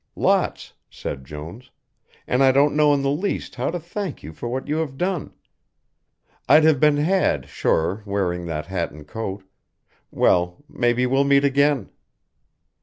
"Lots," said Jones, "and I don't know in the least how to thank you for what you have done. I'd have been had, sure, wearing that hat and coat well, maybe we'll meet again."